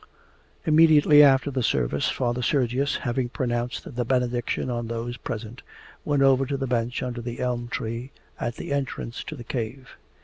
Immediately after the service Father Sergius, having pronounced the benediction on those present, went over to the bench under the elm tree at the entrance to the cave.